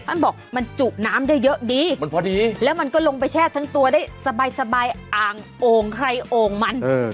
ท่านบอกมันจุน้ำได้เยอะดีมันพอดีแล้วมันก็ลงไปแช่ทั้งตัวได้สบายสบายอ่างโอ่งใครโอ่งมัน